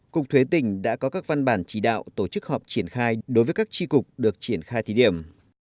cục thuế tỉnh đã có các văn bản chỉ đạo tổ chức họp triển khai đối với các tri cục được triển khai thí điểm